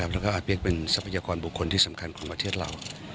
และอัพยักษ์เป็นสรรพยากรบุคคลที่สำคัญของประเทศเรา